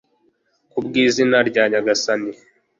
ku bw'izina rya nyagasani